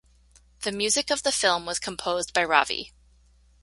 The music of the film was composed by Ravi.